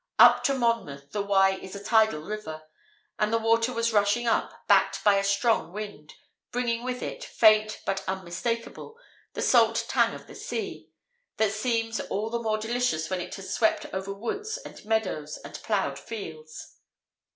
Up to Monmouth the Wye is a tidal river, and the water was rushing up, backed by a strong wind, bringing with it, faint but unmistakable, the salt tang of the sea, that seems all the more delicious when it has swept over woods and meadows and ploughed fields.